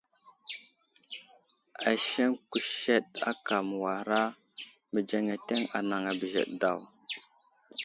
Aseŋ kusəɗ aka məwara mədzeŋeteŋ anaŋ a bəzəɗe daw.